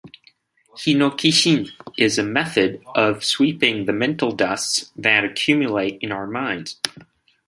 Hinokishin is a method of "sweeping" the "mental dusts" that accumulate in our minds.